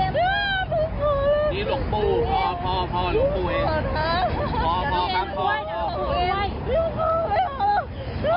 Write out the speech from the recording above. เด็กเราหมดอย่างนี่เลย